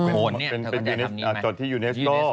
เป็นยูเนสโก